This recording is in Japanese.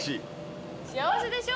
幸せでしょ？